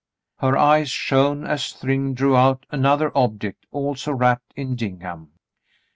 Her eyes shone as Thryng drew out another object also wrapped in gingham.